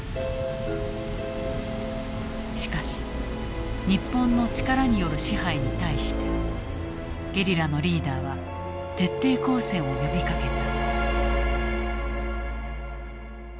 しかし日本の力による支配に対してゲリラのリーダーは徹底抗戦を呼びかけた。